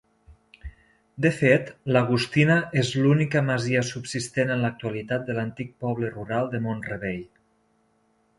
De fet, l'Agustina és l'única masia subsistent en l'actualitat de l'antic poble rural de Mont-rebei.